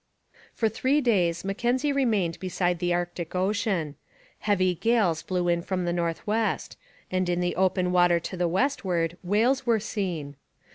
For three days Mackenzie remained beside the Arctic ocean. Heavy gales blew in from the north west, and in the open water to the westward whales were seen.